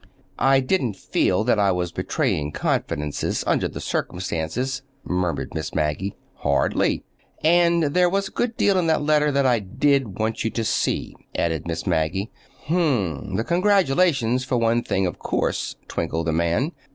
"I didn't feel that I was betraying confidences—under the circumstances," murmured Miss Maggie. "Hardly!" "And there was a good deal in the letter that I did want you to see," added Miss Maggie. "Hm m; the congratulations, for one thing, of course," twinkled the man.